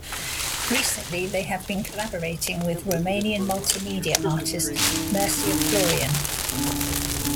Recently, they have been collaborating with Romanian multimedia artist Mircea Florian.